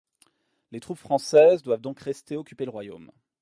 Les troupes françaises doivent donc rester occuper le royaume.